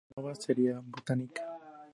Nova serie, Botanica".